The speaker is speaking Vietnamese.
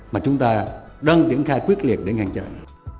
mà chúng ta đang triển khai quyết liệt để ngăn chặn